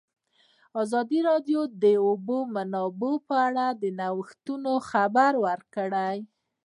ازادي راډیو د د اوبو منابع په اړه د نوښتونو خبر ورکړی.